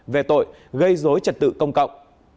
về tội gây dối trật tự công cộng